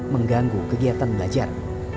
mengganggu kegiatan belajar